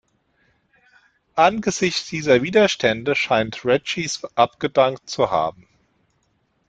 Angesichts dieser Widerstände scheint Ratchis abgedankt zu haben.